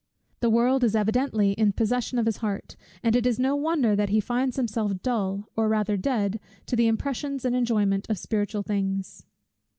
The world is evidently in possession of his heart, and it is no wonder that he finds himself dull, or rather dead, to the impression and enjoyment of spiritual things.